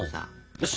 よし！